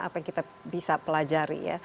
apa yang kita bisa pelajari ya